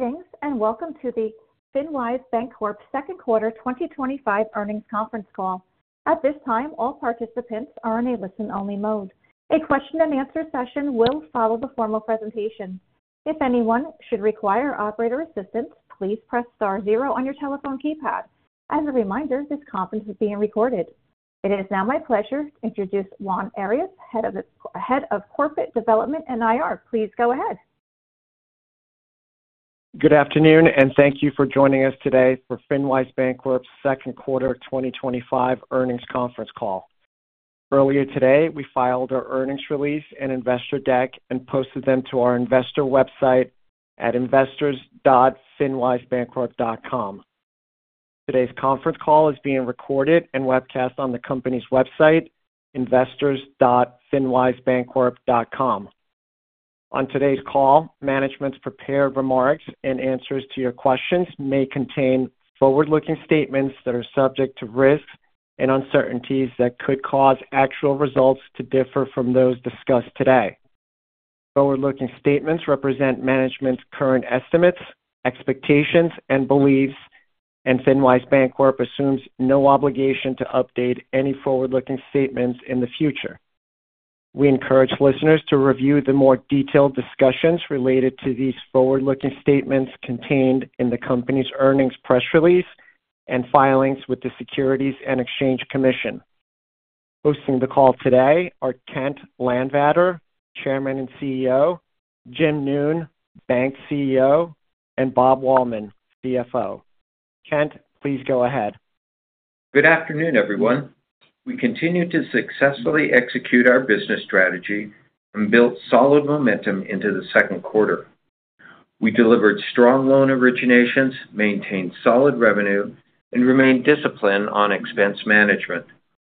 Greetings and welcome to the FinWise Bancorp second quarter 2025 earnings conference call. At this time, all participants are in a listen-only mode. A question-and-answer session will follow the formal presentation. If anyone should require operator assistance, please press star zero on your telephone keypad. As a reminder, this conference is being recorded. It is now my pleasure to introduce Juan Arias, Head of Corporate Development and IR. Please go ahead. Good afternoon and thank you for joining us today for FinWise Bancorp's second quarter 2025 earnings conference call. Earlier today, we filed our earnings release and investor deck and posted them to our investor website at investors.finwisebancorp.com. Today's conference call is being recorded and webcast on the company's website, investors.finwisebancorp.com. On today's call, management's prepared remarks and answers to your questions may contain forward-looking statements that are subject to risks and uncertainties that could cause actual results to differ from those discussed today. Forward-looking statements represent management's current estimates, expectations, and beliefs, and FinWise Bancorp assumes no obligation to update any forward-looking statements in the future. We encourage listeners to review the more detailed discussions related to these forward-looking statements contained in the company's earnings press release and filings with the Securities and Exchange Commission. Hosting the call today are Kent Landvatter, Chairman and CEO, Jim Noone, Bank CEO, and Bob Wahlman, CFO. Kent, please go ahead. Good afternoon, everyone. We continue to successfully execute our business strategy and built solid momentum into the second quarter. We delivered strong loan originations, maintained solid revenue, and remained disciplined on expense management,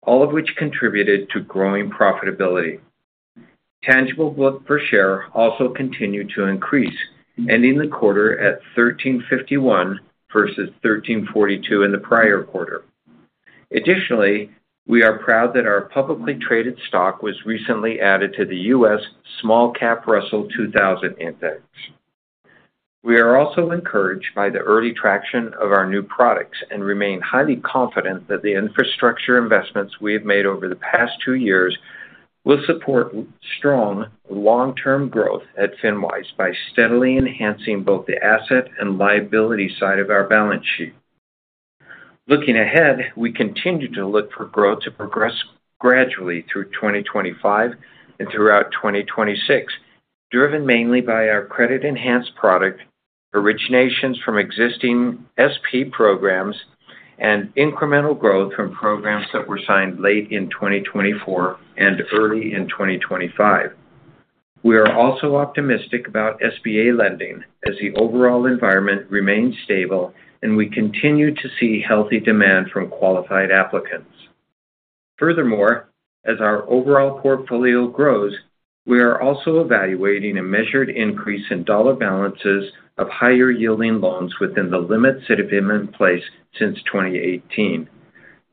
all of which contributed to growing profitability. Tangible book value per share also continued to increase, ending the quarter at $13.51 versus $13.42 in the prior quarter. Additionally, we are proud that our publicly traded stock was recently added to the U.S. Small-Cap Russell 2000 index. We are also encouraged by the early traction of our new products and remain highly confident that the infrastructure investments we have made over the past two years will support strong long-term growth at FinWise Bancorp by steadily enhancing both the asset and liability side of our balance sheet. Looking ahead, we continue to look for growth to progress gradually through 2025 and throughout 2026, driven mainly by our credit-enhanced balance sheet program, originations from existing Strategic Program Lending programs, and incremental growth from programs that were signed late in 2024 and early in 2025. We are also optimistic about SBA 7(a) loans as the overall environment remains stable and we continue to see healthy demand from qualified applicants. Furthermore, as our overall portfolio grows, we are also evaluating a measured increase in dollar balances of higher-yielding loans within the limits that have been in place since 2018.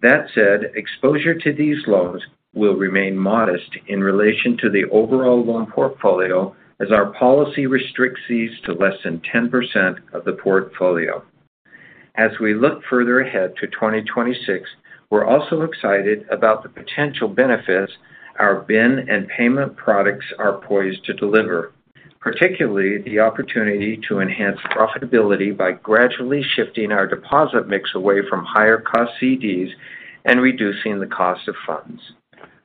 That said, exposure to these loans will remain modest in relation to the overall loan portfolio as our policy restricts these to less than 10% of the portfolio. As we look further ahead to 2026, we're also excited about the potential benefits our BIN Sponsorship and Payments (MoneyRails™) products are poised to deliver, particularly the opportunity to enhance profitability by gradually shifting our deposit mix away from higher-cost CDs and reducing the cost of funds.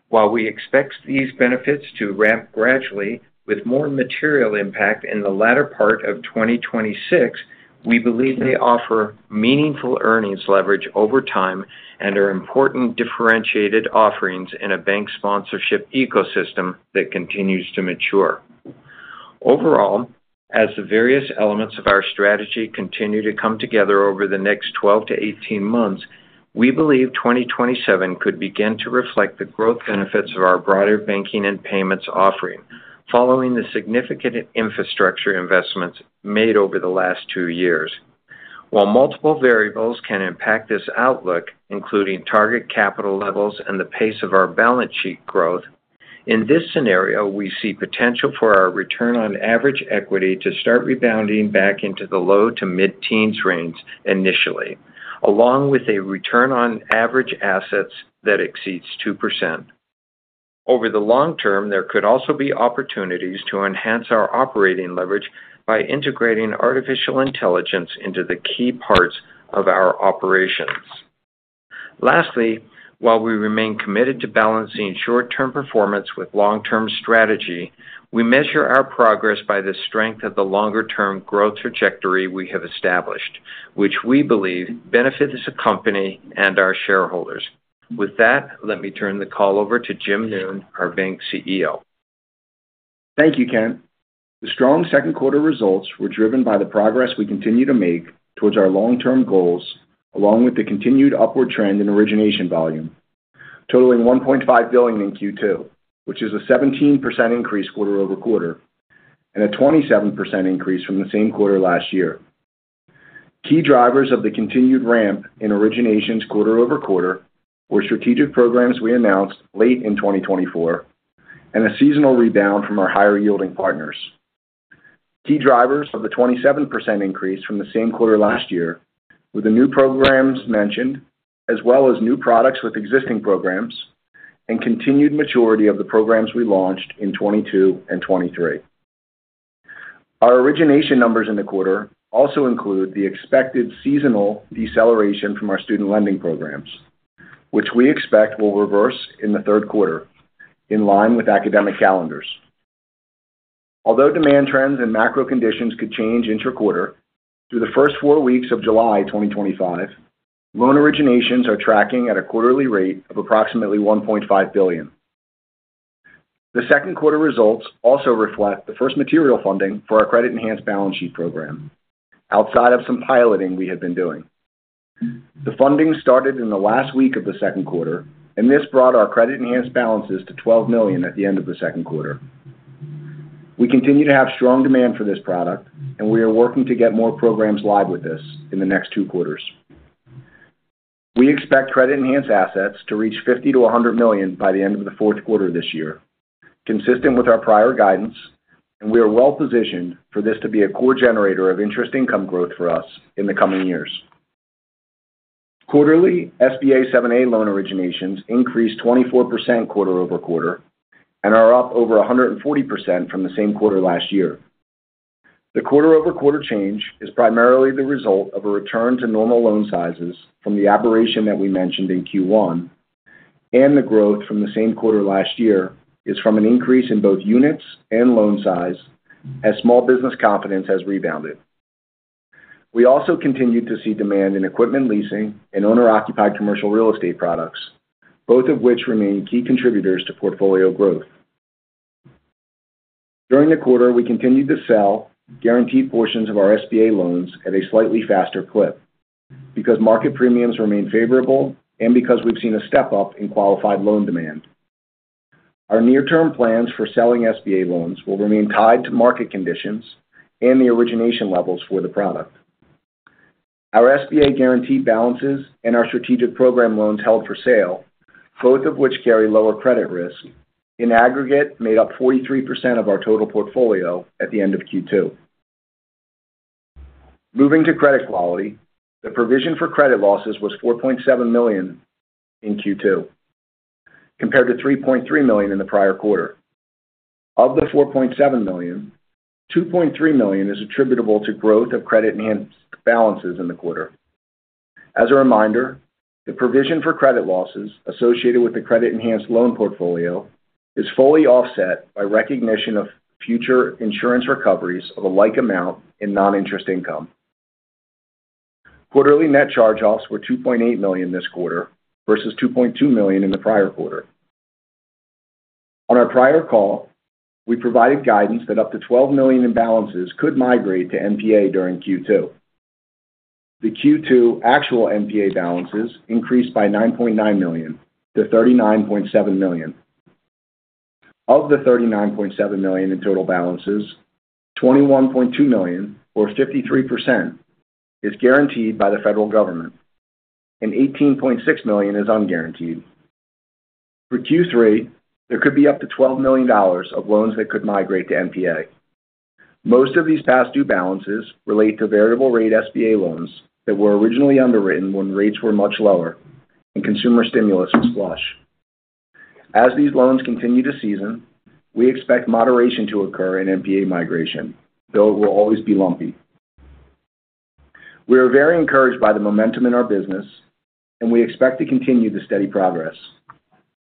While we expect these benefits to ramp gradually with more material impact in the latter part of 2026, we believe they offer meaningful earnings leverage over time and are important differentiated offerings in a bank sponsorship ecosystem that continues to mature. Overall, as the various elements of our strategy continue to come together over the next 12-18 months, we believe 2027 could begin to reflect the growth benefits of our broader banking and payments offering following the significant infrastructure investments made over the last two years. While multiple variables can impact this outlook, including target capital levels and the pace of our balance sheet growth, in this scenario, we see potential for our return on average equity to start rebounding back into the low to mid-teens range initially, along with a return on average assets that exceeds 2%. Over the long term, there could also be opportunities to enhance our operating leverage by integrating artificial intelligence into the key parts of our operations. Lastly, while we remain committed to balancing short-term performance with long-term strategy, we measure our progress by the strength of the longer-term growth trajectory we have established, which we believe benefits the company and our shareholders. With that, let me turn the call over to Jim Noone, our Bank CEO. Thank you, Kent. The strong second quarter results were driven by the progress we continue to make towards our long-term goals, along with the continued upward trend in origination volume, totaling $1.5 billion in Q2, which is a 17% increase quarter-over-quarter and a 27% increase from the same quarter last year. Key drivers of the continued ramp in originations quarter-over-quarter were strategic programs we announced late in 2024 and a seasonal rebound from our higher-yielding partners. Key drivers of the 27% increase from the same quarter last year were the new programs mentioned, as well as new products with existing programs, and continued maturity of the programs we launched in 2022 and 2023. Our origination numbers in the quarter also include the expected seasonal deceleration from our student lending programs, which we expect will reverse in the third quarter in line with academic calendars. Although demand trends and macro conditions could change interquarter, through the first four weeks of July 2025, loan originations are tracking at a quarterly rate of approximately $1.5 billion. The second quarter results also reflect the first material funding for our credit-enhanced balance sheet program, outside of some piloting we had been doing. The funding started in the last week of the second quarter, and this brought our credit-enhanced balances to $12 million at the end of the second quarter. We continue to have strong demand for this product, and we are working to get more programs live with this in the next two quarters. We expect credit-enhanced assets to reach $50-$100 million by the end of the fourth quarter of this year, consistent with our prior guidance, and we are well positioned for this to be a core generator of interest income growth for us in the coming years. Quarterly, SBA 7(a) loan originations increased 24% quarter-over-quarter and are up over 140% from the same quarter last year. The quarter-over-quarter change is primarily the result of a return to normal loan sizes from the aberration that we mentioned in Q1, and the growth from the same quarter last year is from an increase in both units and loan size, as small business confidence has rebounded. We also continued to see demand in equipment leasing and owner-occupied commercial real estate products, both of which remain key contributors to portfolio growth. During the quarter, we continued to sell guaranteed portions of our SBA loans at a slightly faster clip because market premiums remain favorable and because we've seen a step up in qualified loan demand. Our near-term plans for selling SBA loans will remain tied to market conditions and the origination levels for the product. Our SBA-guaranteed balances and our strategic program loans held for sale, both of which carry lower credit risk, in aggregate made up 43% of our total portfolio at the end of Q2. Moving to credit quality, the provision for credit losses was $4.7 million in Q2 compared to $3.3 million in the prior quarter. Of the $4.7 million, $2.3 million is attributable to growth of credit-enhanced balances in the quarter. As a reminder, the provision for credit losses associated with the credit-enhanced loan portfolio is fully offset by recognition of future insurance recoveries of a like amount in non-interest income. Quarterly net charge-offs were $2.8 million this quarter versus $2.2 million in the prior quarter. On our prior call, we provided guidance that up to $12 million in balances could migrate to MPA during Q2. The Q2 actual MPA balances increased by $9.9 million to $39.7 million. Of the $39.7 million in total balances, $21.2 million, or 53%, is guaranteed by the federal government, and $18.6 million is unguaranteed. For Q3, there could be up to $12 million of loans that could migrate to MPA. Most of these past due balances relate to variable-rate SBA loans that were originally underwritten when rates were much lower and consumer stimulus was flush. As these loans continue to season, we expect moderation to occur in MPA migration, though it will always be lumpy. We are very encouraged by the momentum in our business, and we expect to continue the steady progress.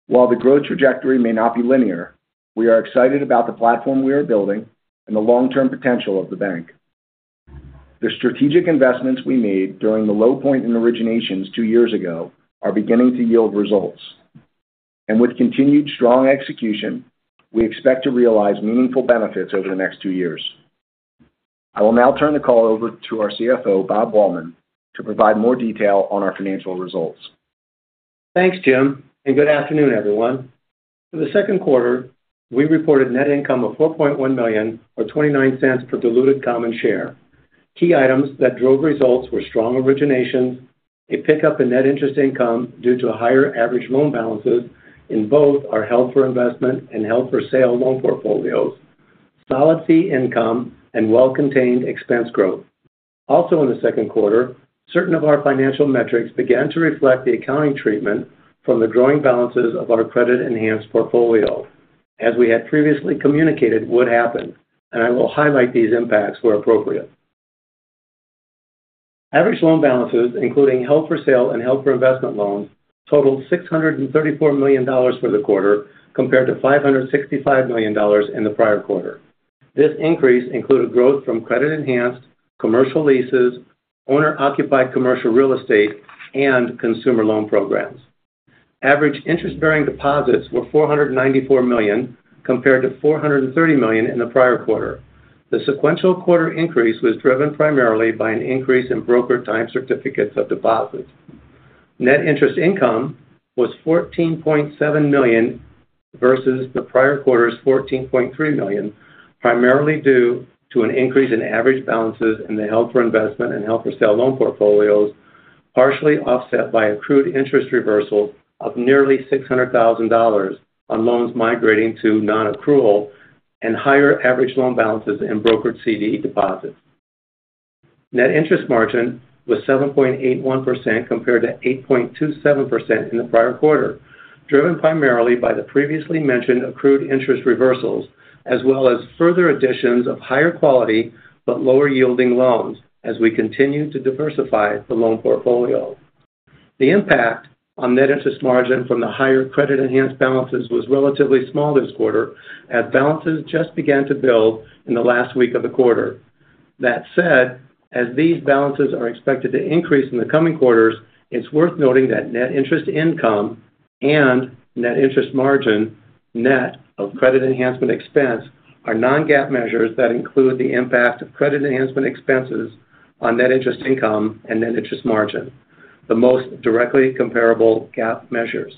While the growth trajectory may not be linear, we are excited about the platform we are building and the long-term potential of the bank. The strategic investments we made during the low point in originations two years ago are beginning to yield results, and with continued strong execution, we expect to realize meaningful benefits over the next two years. I will now turn the call over to our CFO, Bob Wahlman, to provide more detail on our financial results. Thanks, Tim, and good afternoon, everyone. For the second quarter, we reported net income of $4.1 million, or $0.29 per diluted common share. Key items that drove results were strong originations, a pickup in net interest income due to higher average loan balances in both our held-for-investment and held-for-sale loan portfolios, solid fee income, and well-contained expense growth. Also, in the second quarter, certain of our financial metrics began to reflect the accounting treatment from the growing balances of our credit-enhanced portfolio. As we had previously communicated, what happened, and I will highlight these impacts where appropriate. Average loan balances, including held-for-sale and held-for-investment loans, totaled $634 million for the quarter compared to $565 million in the prior quarter. This increase included growth from credit-enhanced, commercial leases, owner-occupied commercial real estate, and consumer loan programs. Average interest-bearing deposits were $494 million compared to $430 million in the prior quarter. The sequential quarter increase was driven primarily by an increase in broker-type certificates of deposit. Net interest income was $14.7 million versus the prior quarter's $14.3 million, primarily due to an increase in average balances in the held-for-investment and held-for-sale loan portfolios, partially offset by accrued interest reversal of nearly $0.6 million on loans migrating to non-accrual and higher average loan balances in brokered CD deposits. Net interest margin was 7.81% compared to 8.27% in the prior quarter, driven primarily by the previously mentioned accrued interest reversals, as well as further additions of higher quality but lower-yielding loans as we continued to diversify the loan portfolio. The impact on net interest margin from the higher credit-enhanced balances was relatively small this quarter, as balances just began to build in the last week of the quarter. That said, as these balances are expected to increase in the coming quarters, it's worth noting that net interest income and net interest margin net of credit enhancement expense are non-GAAP measures that include the impact of credit enhancement expenses on net interest income and net interest margin, the most directly comparable GAAP measures.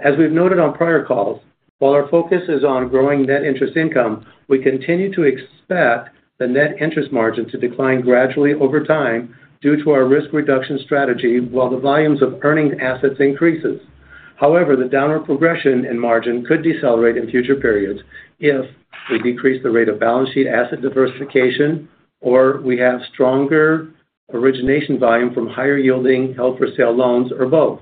As we've noted on prior calls, while our focus is on growing net interest income, we continue to expect the net interest margin to decline gradually over time due to our risk reduction strategy, while the volumes of earning assets increase. However, the downward progression in margin could decelerate in future periods if we decrease the rate of balance sheet asset diversification or we have stronger origination volume from higher-yielding held-for-sale loans or both.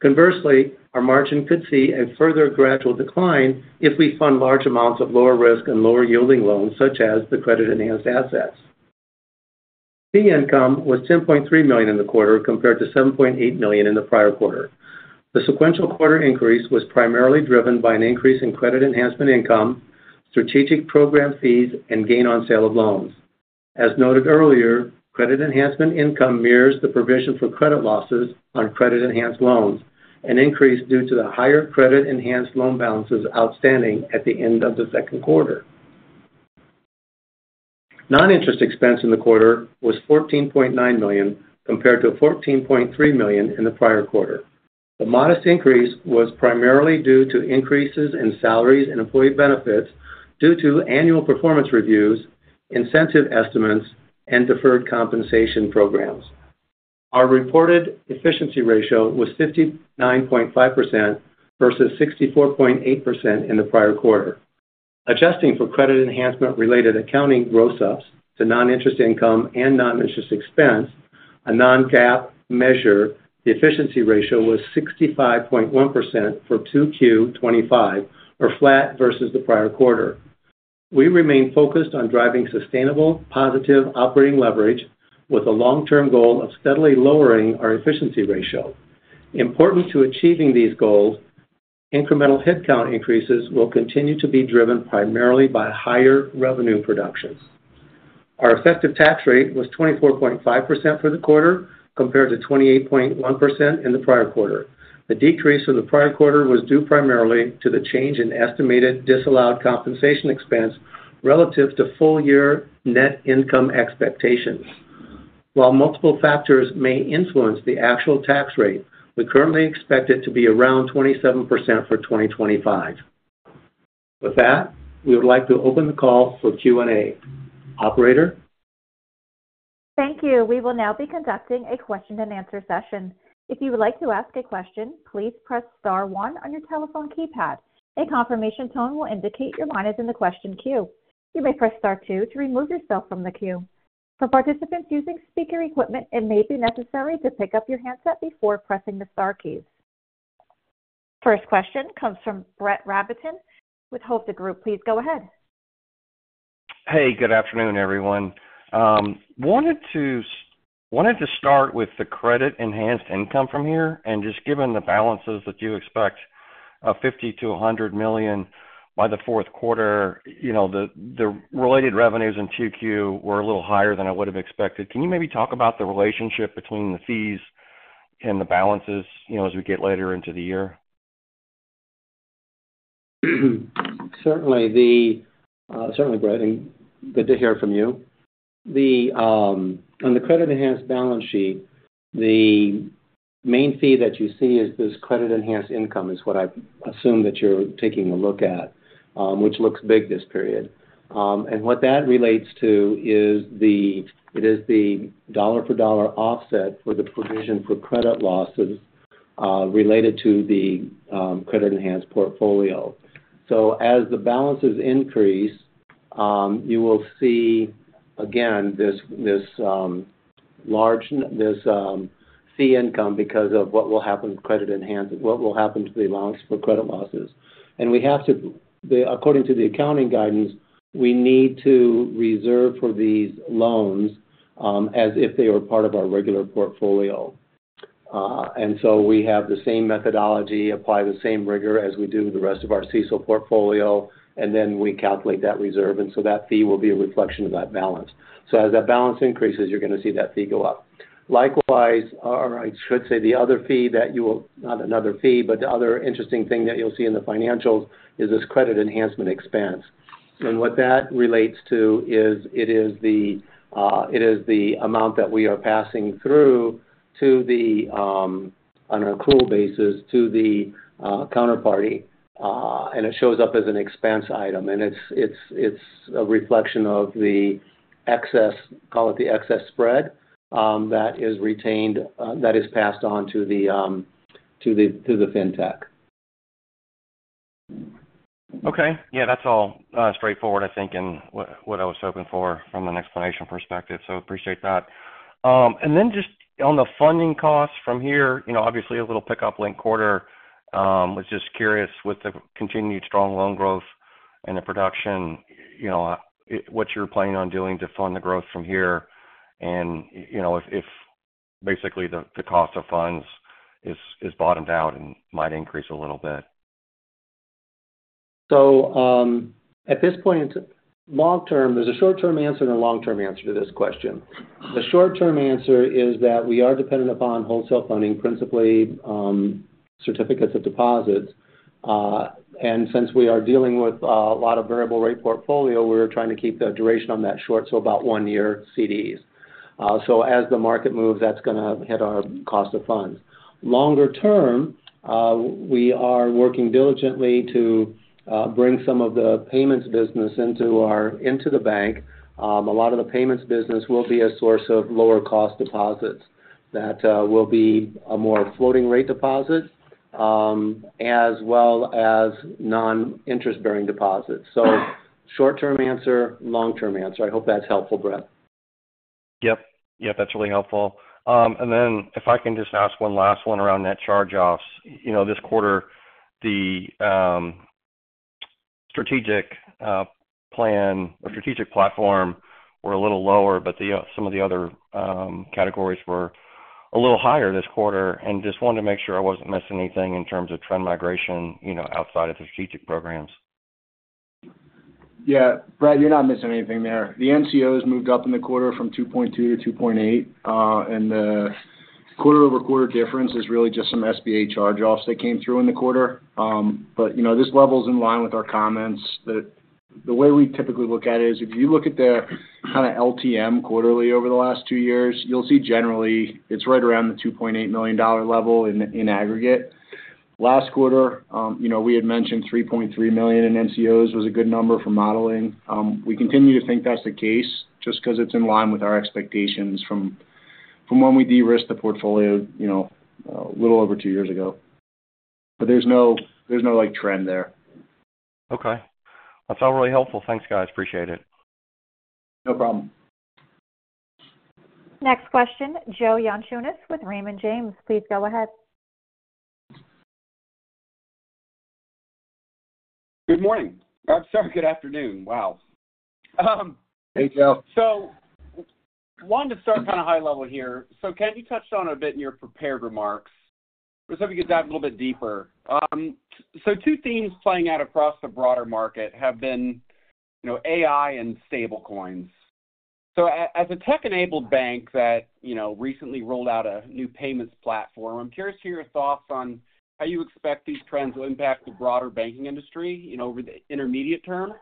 Conversely, our margin could see a further gradual decline if we fund large amounts of lower risk and lower-yielding loans, such as the credit-enhanced assets. Fee income was $10.3 million in the quarter compared to $7.8 million in the prior quarter. The sequential quarter increase was primarily driven by an increase in credit enhancement income, strategic program fees, and gain on sale of loans. As noted earlier, credit enhancement income mirrors the provision for credit losses on credit-enhanced loans, an increase due to the higher credit-enhanced loan balances outstanding at the end of the second quarter. Non-interest expense in the quarter was $14.9 million compared to $14.3 million in the prior quarter. The modest increase was primarily due to increases in salaries and employee benefits due to annual performance reviews, incentive estimates, and deferred compensation programs. Our reported efficiency ratio was 59.5% versus 64.8% in the prior quarter. Adjusting for credit enhancement-related accounting gross ups to non-interest income and non-interest expense, a non-GAAP measure, the efficiency ratio was 65.1% for Q2 2025, or flat versus the prior quarter. We remain focused on driving sustainable, positive operating leverage with a long-term goal of steadily lowering our efficiency ratio. Important to achieving these goals, incremental headcount increases will continue to be driven primarily by higher revenue productions. Our effective tax rate was 24.5% for the quarter compared to 28.1% in the prior quarter. The decrease from the prior quarter was due primarily to the change in estimated disallowed compensation expense relative to full-year net income expectations. While multiple factors may influence the actual tax rate, we currently expect it to be around 27% for 2025. With that, we would like to open the call for Q&A. Operator? Thank you. We will now be conducting a question-and-answer session. If you would like to ask a question, please press star one on your telephone keypad. A confirmation tone will indicate your line is in the question queue. You may press star two to remove yourself from the queue. For participants using speaker equipment, it may be necessary to pick up your handset before pressing the star keys. First question comes from Brett Rabatin with Hovde Group. Please go ahead. Hey, good afternoon, everyone. Wanted to start with the credit enhancement income from here and just given the balances that you expect of $50 million-$100 million by the fourth quarter, you know the related revenues in Q2 were a little higher than I would have expected. Can you maybe talk about the relationship between the fees and the balances, you know, as we get later into the year? Certainly, Brett, I'm good to hear from you. On the credit-enhanced balance sheet, the main fee that you see is this credit enhancement income, is what I assume that you're taking a look at, which looks big this period. What that relates to is the dollar-for-dollar offset for the provision for credit losses related to the credit-enhanced portfolio. As the balances increase, you will see again this large fee income because of what will happen to credit enhancement, what will happen to the loans for credit losses. We have to, according to the accounting guidance, reserve for these loans as if they were part of our regular portfolio. We have the same methodology, apply the same rigor as we do with the rest of our CISL portfolio, and then we calculate that reserve. That fee will be a reflection of that balance. As that balance increases, you're going to see that fee go up. Likewise, or I should say the other fee that you will, not another fee, but the other interesting thing that you'll see in the financials is this credit enhancement expense. What that relates to is it is the amount that we are passing through to the, on an accrual basis, to the counterparty, and it shows up as an expense item. It's a reflection of the excess, call it the excess spread that is retained, that is passed on to the fintech. Okay. Yeah, that's all straightforward, I think, and what I was hoping for from an explanation perspective. I appreciate that. Just on the funding costs from here, you know, obviously a little pickup late quarter. I was just curious with the continued strong loan growth and the production, you know, what you're planning on doing to fund the growth from here and, you know, if basically the cost of funds is bottomed out and might increase a little bit. At this point, long term, there's a short-term answer and a long-term answer to this question. The short-term answer is that we are dependent upon wholesale funding, principally certificates of deposits. Since we are dealing with a lot of variable-rate portfolio, we're trying to keep the duration on that short, so about one-year CDs. As the market moves, that's going to hit our cost of funds. Longer term, we are working diligently to bring some of the payments business into the bank. A lot of the payments business will be a source of lower cost deposits that will be a more floating rate deposit, as well as non-interest-bearing deposits. Short-term answer, long-term answer. I hope that's helpful, Brett. Yep, that's really helpful. If I can just ask one last one around net charge-offs, you know, this quarter, the strategic program was a little lower, but some of the other categories were a little higher this quarter. I just wanted to make sure I wasn't missing anything in terms of trend migration, you know, outside of the strategic programs. Yeah, Brett, you're not missing anything there. The NCOs moved up in the quarter from 2.2% to 2.8%, and the quarter-over-quarter difference is really just some SBA charge-offs that came through in the quarter. This level's in line with our comments. The way we typically look at it is if you look at the kind of LTM quarterly over the last two years, you'll see generally it's right around the $2.8 million level in aggregate. Last quarter, we had mentioned $3.3 million in NCOs was a good number for modeling. We continue to think that's the case just because it's in line with our expectations from when we de-risked the portfolio a little over two years ago. There's no trend there. Okay. That's all really helpful. Thanks, guys. Appreciate it. No problem. Next question, Joe Yanchunas with Raymond James. Please go ahead. Good afternoon. Wow. Hey, Joe. I wanted to start kind of high level here. Ken, you touched on a bit in your prepared remarks. I just hope you could dive a little bit deeper. Two themes playing out across the broader market have been, you know, artificial intelligence and stablecoins. As a tech-enabled bank that, you know, recently rolled out a new payments platform, I'm curious to hear your thoughts on how you expect these trends will impact the broader banking industry over the intermediate term,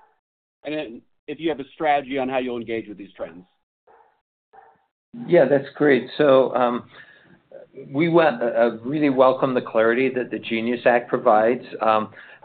and if you have a strategy on how you'll engage with these trends. Yeah, that's great. We want to really welcome the clarity that the Genius Act provides.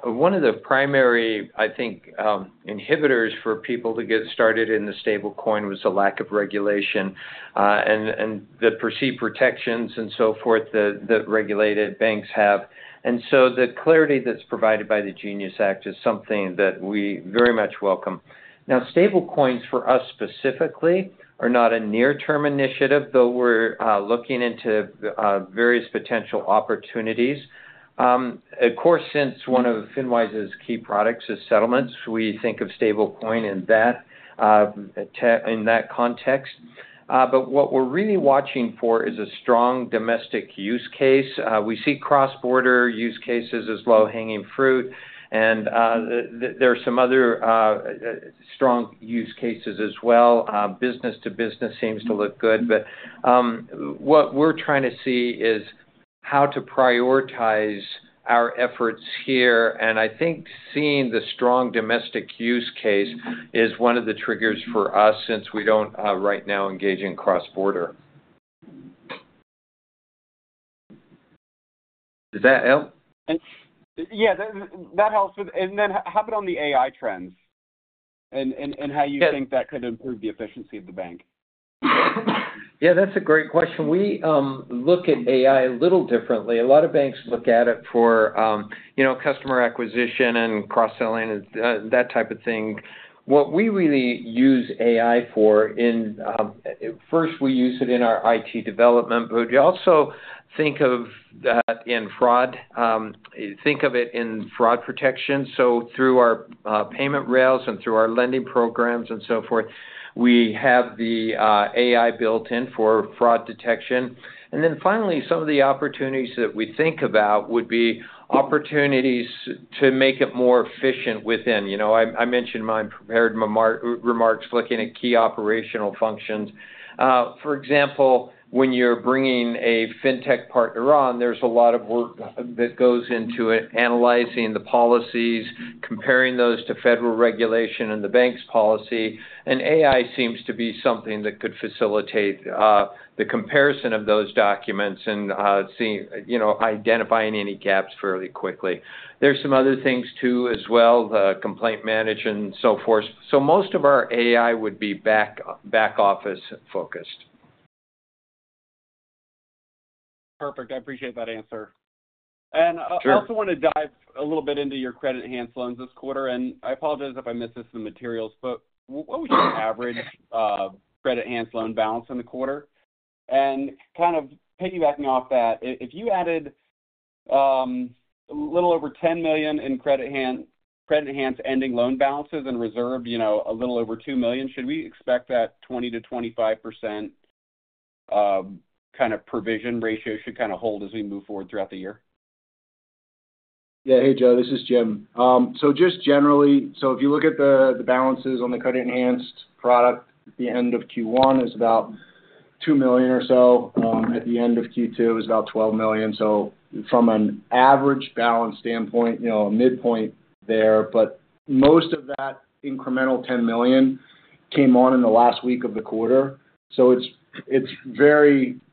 One of the primary, I think, inhibitors for people to get started in the stablecoin was the lack of regulation and the perceived protections and so forth that regulated banks have. The clarity that's provided by the Genius Act is something that we very much welcome. Now, stablecoins for us specifically are not a near-term initiative, though we're looking into various potential opportunities. Of course, since one of FinWise's key products is settlements, we think of stablecoin in that context. What we're really watching for is a strong domestic use case. We see cross-border use cases as low-hanging fruit, and there are some other strong use cases as well. Business-to-business seems to look good. What we're trying to see is how to prioritize our efforts here. I think seeing the strong domestic use case is one of the triggers for us since we don't right now engage in cross-border. Did that help? Yeah, that helps. How about on the artificial intelligence trends and how you think that could improve the efficiency of the bank? Yeah, that's a great question. We look at artificial intelligence a little differently. A lot of banks look at it for, you know, customer acquisition and cross-selling and that type of thing. What we really use artificial intelligence for, first, we use it in our IT development, but we also think of that in fraud. Think of it in fraud protection. Through our payment rails and through our lending programs and so forth, we have the artificial intelligence built in for fraud detection. Finally, some of the opportunities that we think about would be opportunities to make it more efficient within. You know, I mentioned my prepared remarks looking at key operational functions. For example, when you're bringing a fintech partner on, there's a lot of work that goes into analyzing the policies, comparing those to federal regulation and the bank's policy. Artificial intelligence seems to be something that could facilitate the comparison of those documents and seeing, you know, identifying any gaps fairly quickly. There are some other things too as well, the complaint management and so forth. Most of our artificial intelligence would be back-office focused. Perfect. I appreciate that answer. I also want to dive a little bit into your credit-enhanced loans this quarter. I apologize if I missed this in the materials, but what was your average credit-enhanced loan balance in the quarter? Kind of piggybacking off that, if you added a little over $10 million in credit-enhanced ending loan balances and reserved a little over $2 million, should we expect that 20% -25% kind of provision ratio should hold as we move forward throughout the year? Yeah. Hey, Joe, this is Jim. Just generally, if you look at the balances on the credit-enhanced product at the end of Q1, it's about $2 million or so. At the end of Q2, it was about $12 million. From an average balance standpoint, you know, a midpoint there, but most of that incremental $10 million came on in the last week of the quarter. It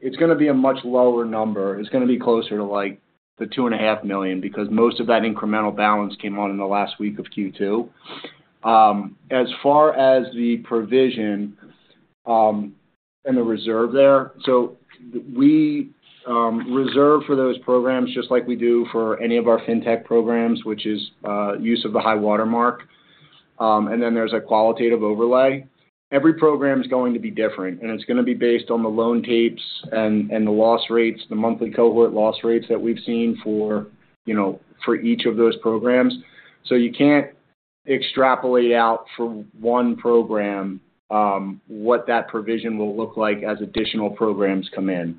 is going to be a much lower number. It is going to be closer to like the $2.5 million because most of that incremental balance came on in the last week of Q2. As far as the provision and the reserve there, we reserve for those programs just like we do for any of our fintech programs, which is use of the high watermark. There is a qualitative overlay. Every program is going to be different, and it's going to be based on the loan tapes and the loss rates, the monthly cohort loss rates that we've seen for each of those programs. You can't extrapolate out for one program what that provision will look like as additional programs come in.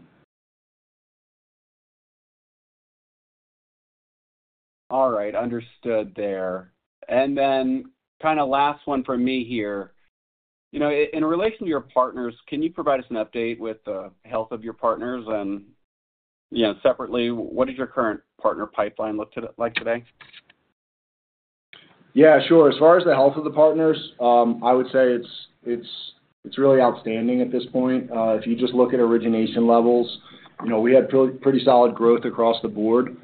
All right. Understood there. Kind of last one from me here. In relation to your partners, can you provide us an update with the health of your partners and, separately, what does your current partner pipeline look like today? Yeah, sure. As far as the health of the partners, I would say it's really outstanding at this point. If you just look at origination levels, we had pretty solid growth across the board.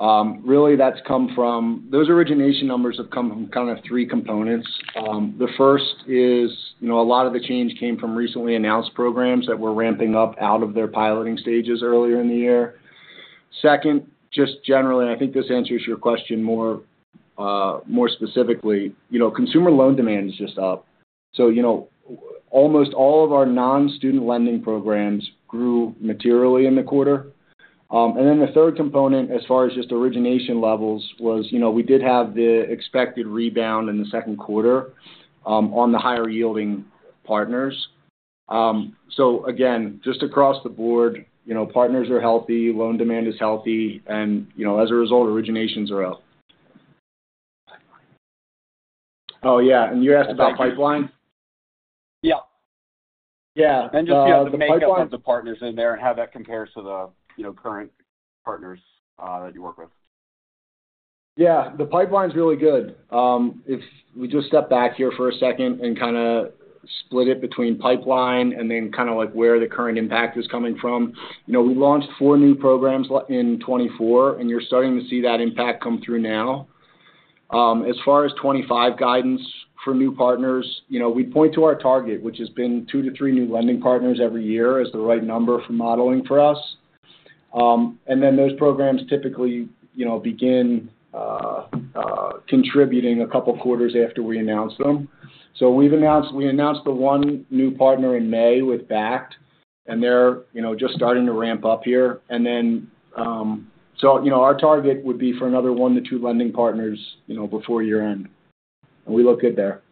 Really, that's come from those origination numbers have come from kind of three components. The first is, a lot of the change came from recently announced programs that were ramping up out of their piloting stages earlier in the year. Second, just generally, and I think this answers your question more specifically, consumer loan demand is just up. Almost all of our non-student lending programs grew materially in the quarter. The third component, as far as just origination levels, was we did have the expected rebound in the second quarter on the higher-yielding partners. Again, just across the board, partners are healthy, loan demand is healthy, and as a result, originations are up. Oh, yeah. You asked about pipeline? Yeah. Yeah, the pipeline. The pipeline of the partners in there and how that compares to the current partners that you work with. Yeah. The pipeline's really good. If we do a step back here for a second and kind of split it between pipeline and then kind of like where the current impact is coming from, you know, we launched four new programs in 2024, and you're starting to see that impact come through now. As far as 2025 guidance for new partners, you know, we point to our target, which has been two to three new lending partners every year as the right number for modeling for us. Those programs typically, you know, begin contributing a couple of quarters after we announce them. We've announced the one new partner in May with BACT, and they're, you know, just starting to ramp up here. Our target would be for another one to two lending partners, you know, before year-end. We look good there.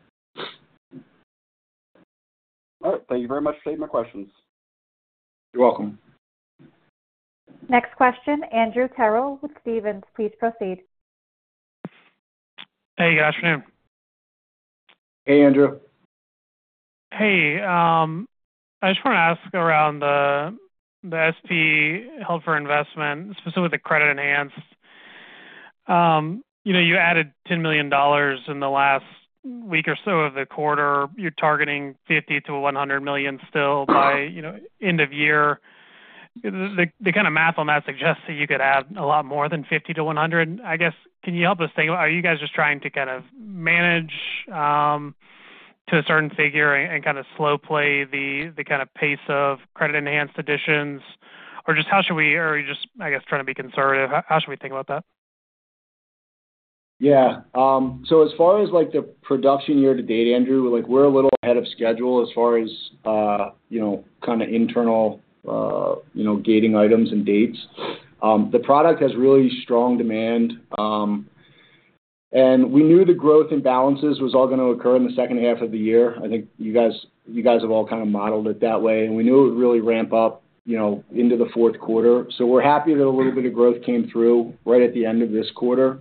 Thank you very much. Saved my questions. You're welcome. Next question, Andrew Terrell with Stephens. Please proceed. Hey, good afternoon. Hey, Andrew. Hey. I just want to ask around the SP held for investment, specifically the credit enhanced. You added $10 million in the last week or so of the quarter. You're targeting $50-$100 million still by end of year. The kind of math on that suggests that you could add a lot more than $50-$100 million. I guess, can you help us think about, are you guys just trying to kind of manage to a certain figure and kind of slow play the pace of credit enhanced additions? Or just how should we, or are you just, I guess, trying to be conservative? How should we think about that? Yeah. As far as the production year to date, Andrew, we're a little ahead of schedule as far as internal gating items and dates. The product has really strong demand. We knew the growth in balances was all going to occur in the second half of the year. I think you guys have all kind of modeled it that way. We knew it would really ramp up into the fourth quarter. We're happy that a little bit of growth came through right at the end of this quarter.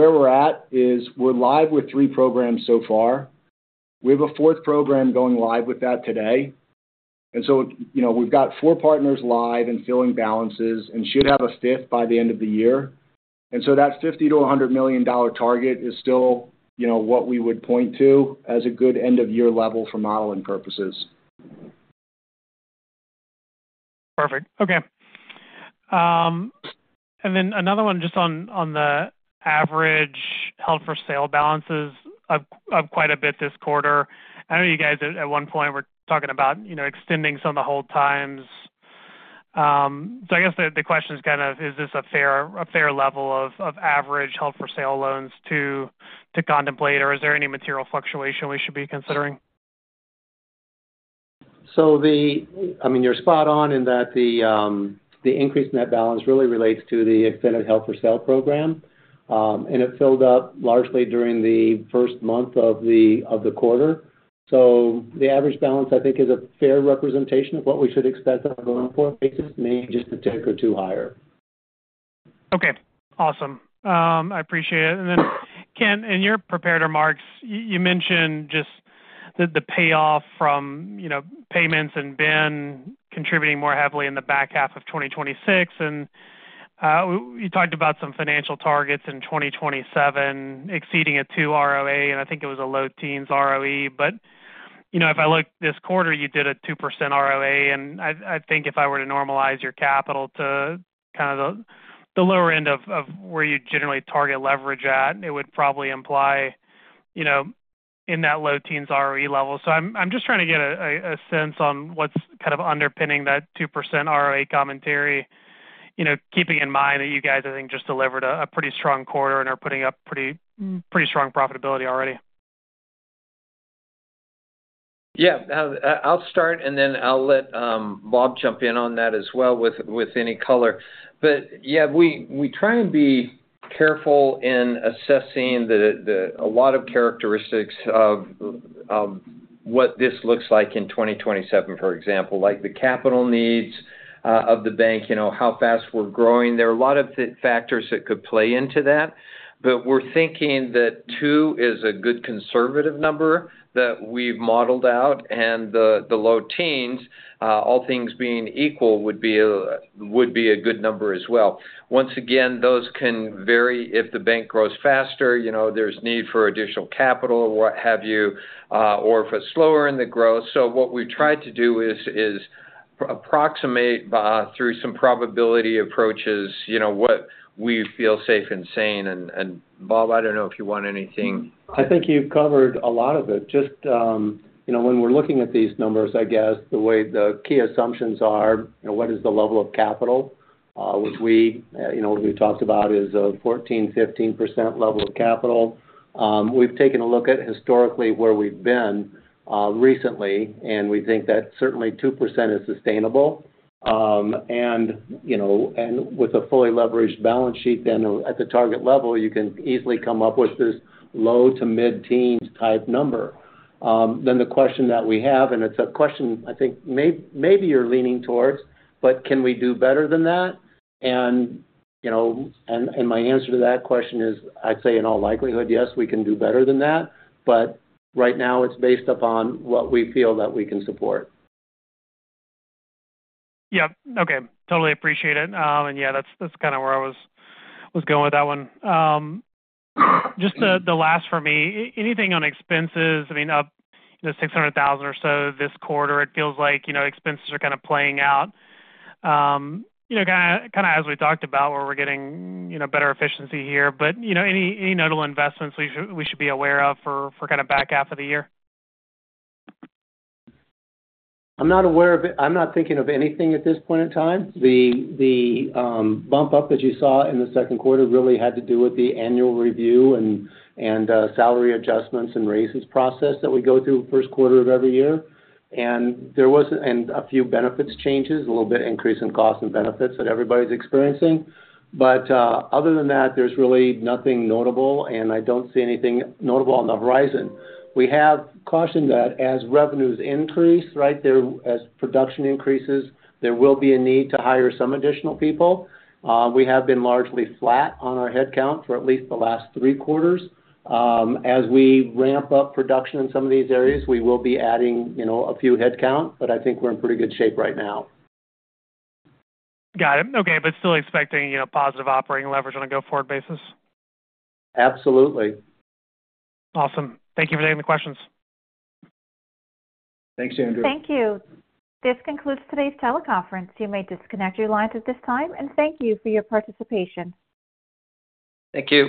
Where we're at is we're live with three programs so far. We have a fourth program going live with that today. We've got four partners live and filling balances and should have a fifth by the end of the year. That $50-$100 million target is still what we would point to as a good end-of-year level for modeling purposes. Perfect. Okay. Another one just on the average held for sale balances of quite a bit this quarter. I know you guys at one point were talking about extending some of the hold times. I guess the question is, is this a fair level of average held for sale loans to contemplate, or is there any material fluctuation we should be considering? You're spot on in that the increase in that balance really relates to the extended held for sale program. It filled up largely during the first month of the quarter, so the average balance, I think, is a fair representation of what we should expect on a long-term basis, maybe just a tick or two higher. Okay. Awesome. I appreciate it. Ken, in your prepared remarks, you mentioned just the payoff from payments and BIN Sponsorship contributing more heavily in the back half of 2026. You talked about some financial targets in 2027 exceeding a 2% ROA, and I think it was a low teens ROE. If I look this quarter, you did a 2% ROA. If I were to normalize your capital to kind of the lower end of where you generally target leverage at, it would probably imply, you know, in that low teens ROE level. I'm just trying to get a sense on what's kind of underpinning that 2% ROA commentary, keeping in mind that you guys, I think, just delivered a pretty strong quarter and are putting up pretty, pretty strong profitability already. Yeah. I'll start, and then I'll let Bob jump in on that as well with any color. Yeah, we try and be careful in assessing a lot of characteristics of what this looks like in 2027, for example, like the capital needs of the bank, you know, how fast we're growing. There are a lot of factors that could play into that. We're thinking that 2 is a good conservative number that we've modeled out, and the low teens, all things being equal, would be a good number as well. Once again, those can vary if the bank grows faster, you know, there's need for additional capital or what have you, or if it's slower in the growth. What we've tried to do is approximate through some probability approaches, you know, what we feel safe and sane. Bob, I don't know if you want anything. I think you've covered a lot of it. When we're looking at these numbers, the way the key assumptions are, what is the level of capital? What we've talked about is a 14% to 15% level of capital. We've taken a look at historically where we've been recently, and we think that certainly 2% is sustainable. With a fully leveraged balance sheet, at the target level, you can easily come up with this low to mid-teens type number. The question that we have, and it's a question I think maybe you're leaning towards, can we do better than that? My answer to that question is, I'd say in all likelihood, yes, we can do better than that. Right now, it's based upon what we feel that we can support. Okay. Totally appreciate it. That's kind of where I was going with that one. Just the last for me, anything on expenses? I mean, up $600,000 or so this quarter, it feels like expenses are kind of playing out, kind of as we talked about, where we're getting better efficiency here. Any notable investments we should be aware of for kind of back half of the year? I'm not aware of it. I'm not thinking of anything at this point in time. The bump up that you saw in the second quarter really had to do with the annual review and salary adjustments and raises process that we go through the first quarter of every year. There were a few benefits changes, a little bit increase in costs and benefits that everybody's experiencing. Other than that, there's really nothing notable, and I don't see anything notable on the horizon. We have cautioned that as revenues increase, as production increases, there will be a need to hire some additional people. We have been largely flat on our headcount for at least the last three quarters. As we ramp up production in some of these areas, we will be adding a few headcounts, but I think we're in pretty good shape right now. Got it. Okay. Still expecting, you know, positive operating leverage on a go-forward basis? Absolutely. Awesome. Thank you for taking the questions. Thanks, Andrew. Thank you. This concludes today's teleconference. You may disconnect your lines at this time, and thank you for your participation. Thank you.